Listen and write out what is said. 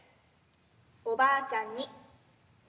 おばあちゃんに。